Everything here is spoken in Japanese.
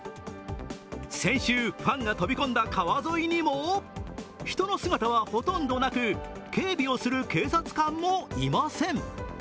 先週、ファンが飛び込んだ川沿いにも人の姿はほとんどなく警備をする警察官もいません。